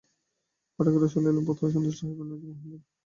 পাঠকেরা শুনিলে বোধ হয় সন্তুষ্ট হইবেন না যে, মহেন্দ্র এখনো মোহিনীকে ভালোবাসে।